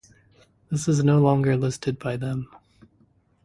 This is no longer listed by them.